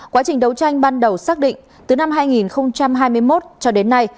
quá trình đấu tranh ban đầu xác định từ năm hai nghìn hai mươi một cho đến nay